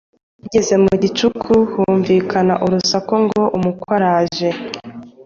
Bigeze mu gicuku humvikana urusaku ngo umukwe araje.